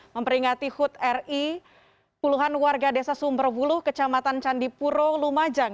memperingati hud ri puluhan warga desa sumberwulu kecamatan candipuro lumajang